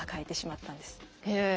へえ。